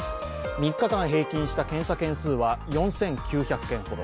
３日間平均した検査件数は４８００ほど。